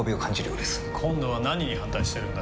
今度は何に反対してるんだ？